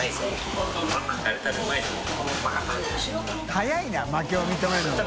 瓩い負けを認めるのが。